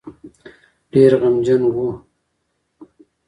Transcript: ډېر غمجن وو.